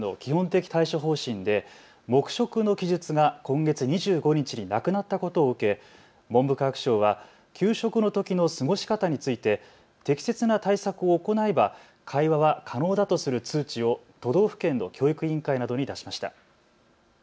新型コロナ対策の基本的対処方針で黙食の記述が今月２５日になくなったことを受け文部科学省は給食のときの過ごし方について適切な対策を行えば会話は可能だとする通知を都道府県の教育委員会などに出しました。